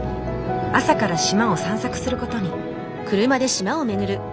朝から島を散策することに。